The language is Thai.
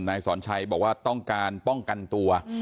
นายสอนชัยบอกว่าต้องการป้องกันตัว